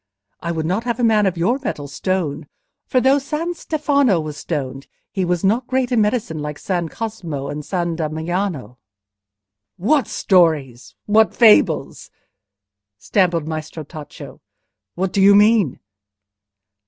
I would not have a man of your metal stoned, for though San Stefano was stoned, he was not great in medicine like San Cosmo and San Damiano..." "What stories? what fables?" stammered Maestro Tacco. "What do you mean?"